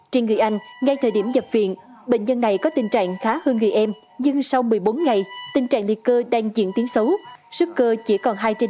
trên người anh ngay thời điểm nhập viện bệnh nhân này có tình trạng khá hơn người em nhưng sau một mươi bốn ngày tình trạng liệt cơ đang diễn tiếng xấu sức cơ chỉ còn hai trên năm đến ba trên năm